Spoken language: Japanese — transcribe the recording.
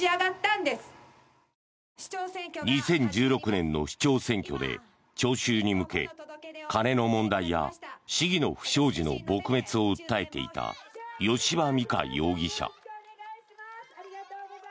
２０１６年の市長選挙で聴衆に向け金の問題や市議の不祥事の撲滅を訴えていた吉羽美華容疑者。